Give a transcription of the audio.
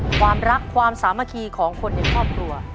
ความรักความสามัคคีของคนในครอบครัว